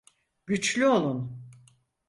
Güçlü olun.